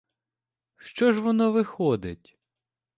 Що ж воно виходить?